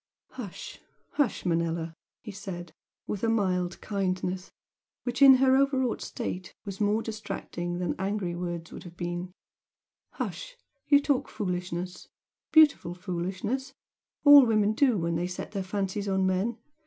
"Hush, hush Manella!" he said, with a mild kindness, which in her overwrought state was more distracting than angry words would have been "Hush! You talk foolishness beautiful foolishness all women do when they set their fancies on men.